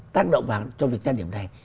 tác động vào cho việc danh điểm này